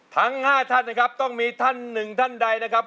ทั้ง๕ท่านนะครับต้องมีท่านหนึ่งท่านใดนะครับ